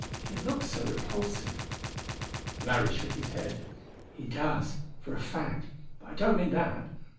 He looks so repulsive " Larry shook his head. "He does, for a fact; but I don't mean that.